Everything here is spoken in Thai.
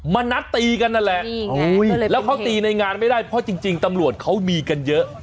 มานัดตีกันนั่นแหละแล้วเขาตีในงานไม่ได้เพราะจริงตำรวจเขามีกันเยอะ